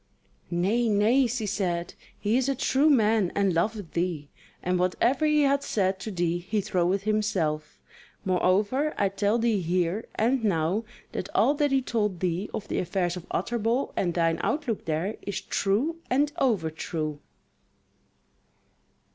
"Nay, nay," she said, "he is a true man and loveth thee, and whatever he hath said to thee he troweth himself. Moreover, I tell thee here and now that all that he told thee of the affairs of Utterbol, and thine outlook there, is true and overtrue."